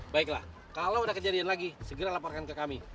baiklah kalau ada kejadian lagi segera laporkan ke kami